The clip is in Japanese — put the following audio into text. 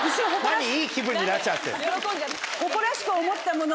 何いい気分になっちゃってんの。